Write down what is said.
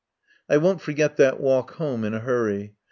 I won't forget that walk home in a hurry.